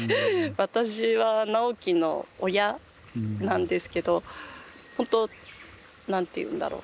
私は直樹の親なんですけどほんと何て言うんだろう。